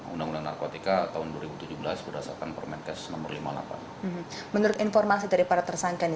undang undang narkotika tahun dua ribu tujuh belas berdasarkan pemenkes nomor lima puluh delapan menurut informasi tersebut ada